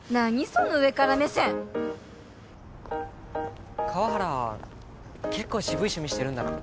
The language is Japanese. その上から目線川原は結構渋い趣味してるんだな